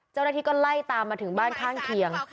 เจ้าหน้าที่ก็ไล่ตามมาถึงบ้านข้างเคียง